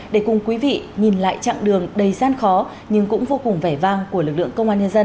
để cùng quý vị nhìn lại chặng đường đầy gian khó nhưng cũng vô cùng vẻ vang của lực lượng công an nhân dân